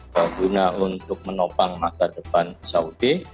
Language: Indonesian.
dan guna untuk menopang masa depan saudi